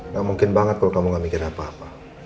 gak mungkin banget kalau kamu gak mikir apa apa